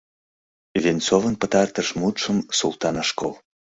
Венцовын пытартыш мутшым Султан ыш кол.